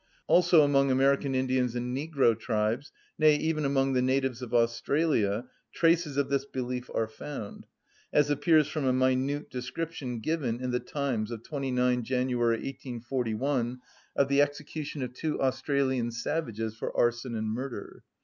Also among American Indians and negro tribes, nay, even among the natives of Australia, traces of this belief are found, as appears from a minute description given in the Times of 29th January 1841 of the execution of two Australian savages for arson and murder.